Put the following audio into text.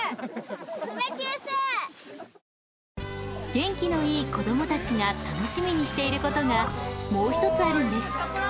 元気のいい子どもたちが楽しみにしていることがもう一つあるんです。